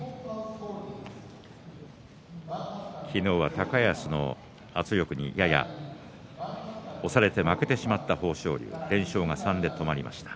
昨日は高安の圧力にやや押されて負けてしまった豊昇龍連勝が３で止まりました。